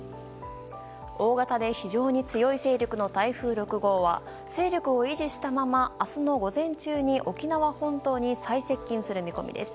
大型で非常に強い勢力の台風６号は勢力を維持したまま明日の午前中に沖縄本島に最接近する見込みです。